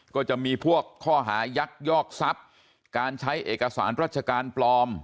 ก็จะมีพวกข้อหายักยอกทรัพย์การใช้เอกสารราชการปลอม